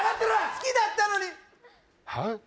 好きだったのにはい？